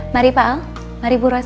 mari pak al mari bu rosa